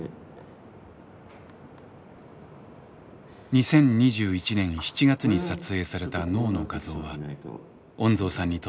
２０２１年７月に撮影された脳の画像は恩蔵さんにとって衝撃でした。